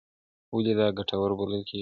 ولې دا ګټور بلل کېږي؟